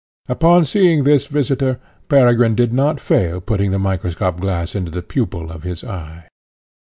Upon seeing this visitor, Peregrine did not fail putting the microscopic glass into the pupil of his eye.